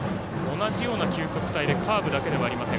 同じような球速帯でカーブだけではありません。